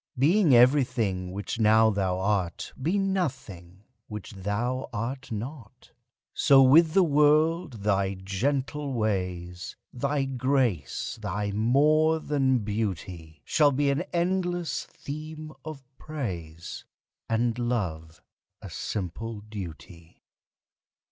Being everything which now thou art, Be nothing which thou art not. So with the world thy gentle ways, Thy grace, thy more than beauty, Shall be an endless theme of praise, And love a simple duty.